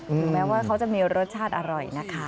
ถึงแม้ว่าเขาจะมีรสชาติอร่อยนะคะ